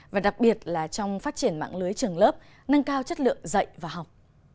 và đặc biệt là trong phát triển mạng lưới trường lớp nâng cao chất lượng dạy và học